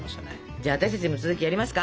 じゃあ私たちも続きやりますか！